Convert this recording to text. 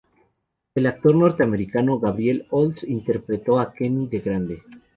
El actor norteamericano Gabriel Olds interpretó a Kenny de grande.